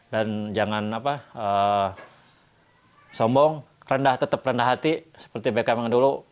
dan jangan sombong tetap rendah hati seperti beckham yang dulu